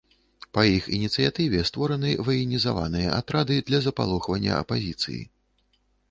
Па іх ініцыятыве створаны ваенізаваныя атрады для запалохвання апазіцыі.